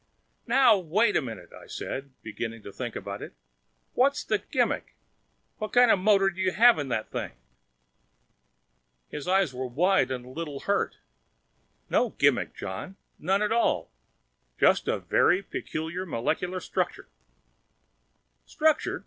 "Now wait a minute," I said, beginning to think about it. "What's the gimmick? What kind of motor do you have in that thing?" His eyes were wide and a little hurt. "No gimmick, John. None at all. Just a very peculiar molecular structure." "Structure!"